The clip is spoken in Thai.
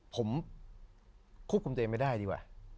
ผมควบคุมตัวเองไม่ได้ดีกว่า